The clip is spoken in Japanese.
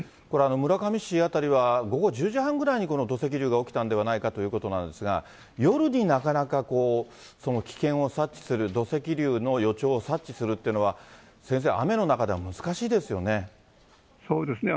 村上市辺りは午後１０時半ぐらいに土石流が起きたんではないかということですが、夜になかなか、危険を察知する、土石流の予兆を察知するっていうのは先生、雨の中では難しいですそうですね。